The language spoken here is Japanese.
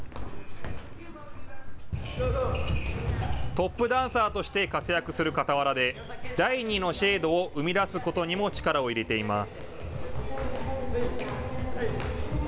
トップダンサーとして活躍するかたわらで、第２のＳＨＡＤＥを生み出すことにも力を入れています。